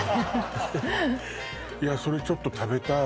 いやそれちょっと食べたい